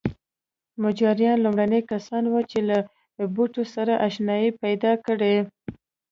مجاریان لومړني کسان وو چې له بوټي سره اشنايي پیدا کړې.